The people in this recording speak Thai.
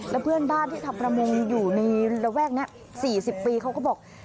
แล้วเพื่อนบ้านที่ทำประมงอยู่ในระแวกนี้๔๐ปีเขาก็บอก